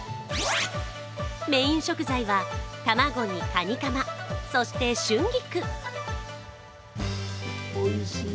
メイン食材は卵にカニカマ、そして春菊。